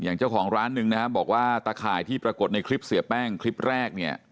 อย่างเจ้าของร้านหนึ่งนะครับบอกว่าตะข่ายที่ปรากฏในคลิปเสียแป้งคลิปแรกเนี่ย